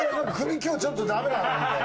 今日ちょっとダメだな。